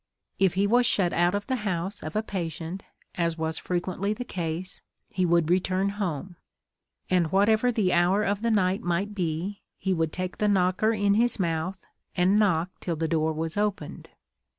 If he was shut out of the house of a patient, as was frequently the case, he would return home; and whatever the hour of the night might be, he would take the knocker in his mouth, and knock till the door was opened.